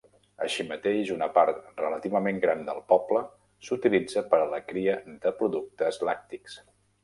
Així mateix, una part relativament gran del poble s'utilitza per a la cria de productes làctics.